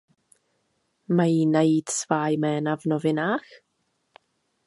Mají najít svá jména v novinách?